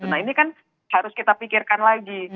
nah ini kan harus kita pikirkan lagi